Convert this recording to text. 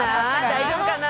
大丈夫かな？